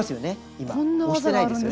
今押してないですよね。